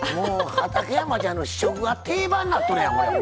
畠山ちゃんの試食が定番になっとるやん！